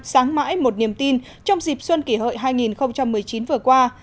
sáng mãi một niềm tin trong dịp xuân kỷ hợi hai nghìn một mươi chín vừa qua